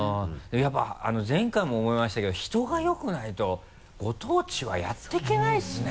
やっぱ前回も思いましたけど人がよくないとご当地はやっていけないですね。